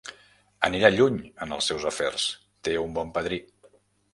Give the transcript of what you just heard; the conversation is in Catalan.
Anirà lluny, en els seus afers: té un bon padrí.